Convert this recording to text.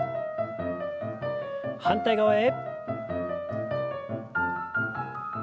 反対側へ。